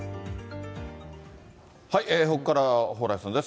ここからは蓬莱さんです。